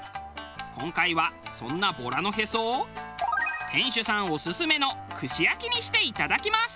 今回はそんなボラのへそを店主さんオススメの串焼きにしていただきます。